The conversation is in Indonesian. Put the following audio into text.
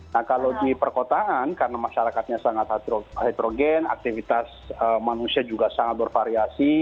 nah kalau di perkotaan karena masyarakatnya sangat heterogen aktivitas manusia juga sangat bervariasi